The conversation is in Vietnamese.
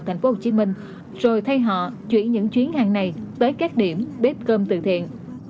thành phố hồ chí minh rồi thay họ chuyển những chuyến hàng này tới các điểm bếp cơm từ thiện